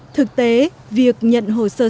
thực tế việc nhận hồ sơ xét tuyển sớm